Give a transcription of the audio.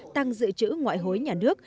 tăng dự trữ ngoại hối nhà nước